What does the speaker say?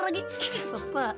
bapak ini siapa